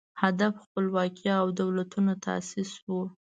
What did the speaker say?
هدف خپلواکي او دولتونو تاسیس و